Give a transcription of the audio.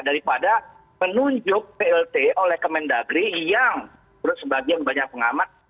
daripada menunjuk plt oleh kemendagri yang menurut sebagian banyak pengamat